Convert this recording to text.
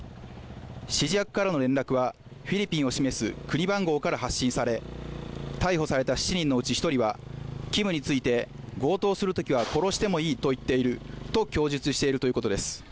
指示役からの連絡はフィリピンを示す国番号から発信され逮捕された７人のうち１人はキムについて強盗をするときは殺してもいいと言っていると供述しているということです。